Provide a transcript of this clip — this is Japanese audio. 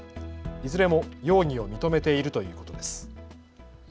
いずれも容疑を認めているということです。